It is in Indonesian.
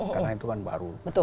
karena itu kan baru